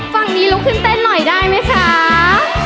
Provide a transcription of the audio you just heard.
ฝั่งนี้ลุกขึ้นเต้นหน่อยได้ไหมคะ